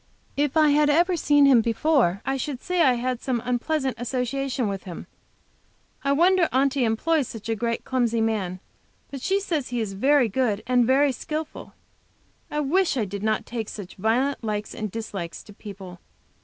If I had ever seen him before I should say I had some unpleasant association with him. I wonder Aunty employs such a great clumsy man. But she says he is good, and very skillful. I wish I did not take such violent likes and dislikes to people.